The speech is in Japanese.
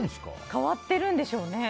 変わってるんでしょうね。